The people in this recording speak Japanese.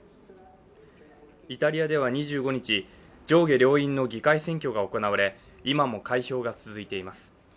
イタリアでは２５日、上下両院の議会選挙が行われ今も開票が続いています。